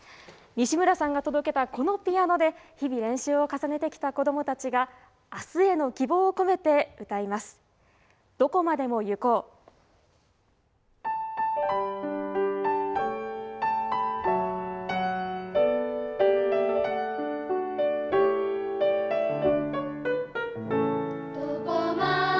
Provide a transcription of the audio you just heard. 西村さんが届けたこのピアノで、日々、練習を重ねてきた子どもたちが、あすへの希望を込めて歌います。